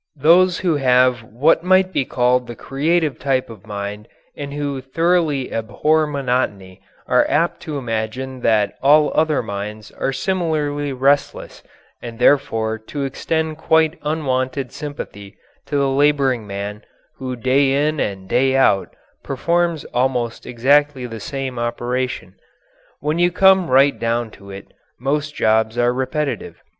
Those who have what might be called the creative type of mind and who thoroughly abhor monotony are apt to imagine that all other minds are similarly restless and therefore to extend quite unwanted sympathy to the labouring man who day in and day out performs almost exactly the same operation. When you come right down to it, most jobs are repetitive.